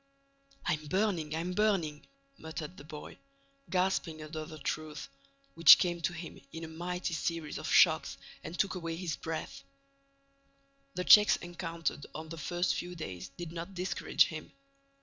"I'm burning! I'm burning!" muttered the boy, gasping under the truth, which came to him in a mighty series of shocks and took away his breath. The checks encountered on the first few days, did not discourage him.